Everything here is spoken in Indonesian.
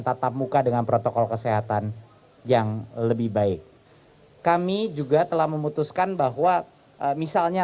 tatap muka dengan protokol kesehatan yang lebih baik kami juga telah memutuskan bahwa misalnya